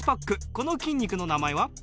この筋肉の名前は？